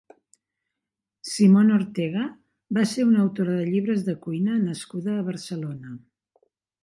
Simone Ortega va ser una autora de llibres de cuina nascuda a Barcelona.